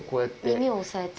耳を押さえて。